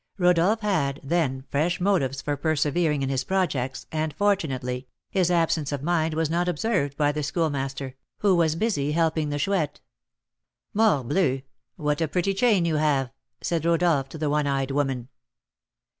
Rodolph had, then, fresh motives for persevering in his projects, and, fortunately, his absence of mind was not observed by the Schoolmaster, who was busy helping the Chouette. "Morbleu! What a pretty chain you have!" said Rodolph to the one eyed woman.